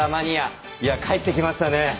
いや帰ってきましたね。